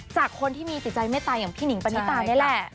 จากคนที่มีจิตใจเมตตาอย่างพี่หนิงปณิตานี่แหละ